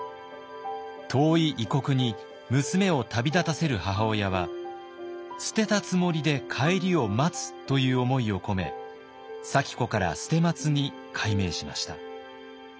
遠い異国に娘を旅立たせる母親は「捨てたつもりで帰りを待つ」という思いを込め咲子から「捨松」に改名しました。